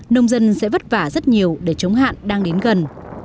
nông dân sẽ vất vả rất nhiều để chống hạn đang đến gần